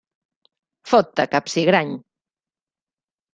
Fot-te, capsigrany!